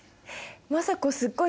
政子すっごい